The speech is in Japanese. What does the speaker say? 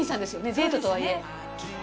デートとはいえ。